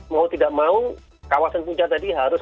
mau tidak mau kawasan puncak tadi harus